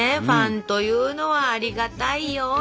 ファンというのはありがたいよ。